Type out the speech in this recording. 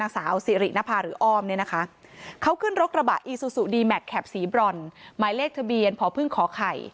ซูซูดีแมคแข็บสีบรอนหมายเลขทะเบียนพอพึ่งขอไข่